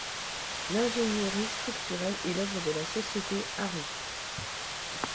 L'ingénierie structurelle est l’œuvre de la société Arup.